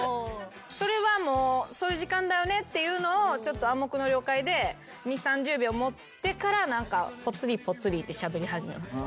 それはそういう時間だよねっていうのを暗黙の了解で２０３０秒持ってからぽつりぽつりってしゃべり始めます。